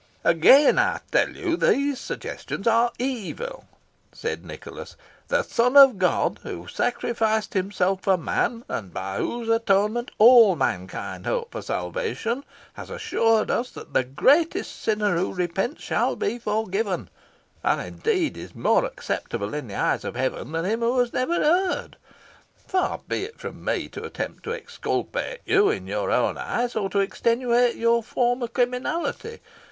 "Again I tell you these suggestions are evil," said Nicholas. "The Son of God, who sacrificed himself for man, and by whose atonement all mankind hope for salvation, has assured us that the greatest sinner who repents shall be forgiven, and, indeed, is more acceptable in the eyes of Heaven than him who has never erred. Far be it from me to attempt to exculpate you in your own eyes, or extenuate your former criminality.